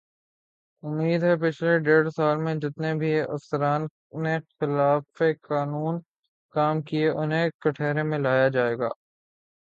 امید ہے پچھلے ڈیڑھ سال میں جتنے بھی افسران نے خلاف قانون کام کیے انہیں کٹہرے میں لایا جائے گا